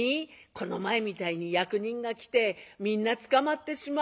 この前みたいに役人が来てみんな捕まってしまうがや」。